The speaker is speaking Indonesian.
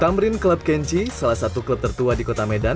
tamrin club kenchi salah satu klub tertua di kota medan